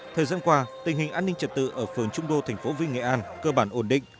thời gian qua tình hình an ninh trật tự ở phường trung đô thành phố vinh nghệ an cơ bản ổn định